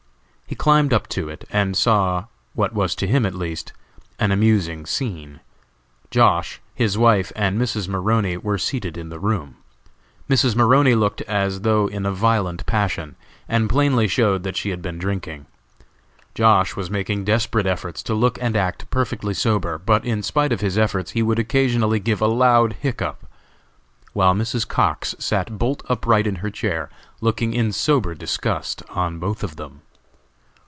He climbed up to it and saw, what was to him at least, an amusing scene. Josh., his wife, and Mrs. Maroney, were seated in the room. Mrs. Maroney looked as though in a violent passion, and plainly showed that she had been drinking. Josh. was making desperate efforts to look and act perfectly sober, but in spite of his efforts he would occasionally give a loud hiccough, while Mrs. Cox sat bolt upright in her chair, looking in sober disgust on both of them.